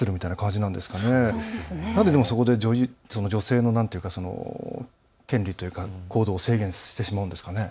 なんで、でもそこで女性の権利というか行動を制限してしまうんですかね。